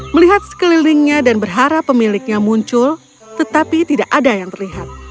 melihat sekelilingnya dan berharap pemiliknya muncul tetapi tidak ada yang terlihat